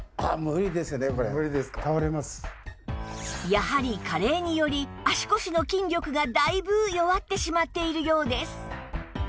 やはり加齢により足腰の筋力がだいぶ弱ってしまっているようです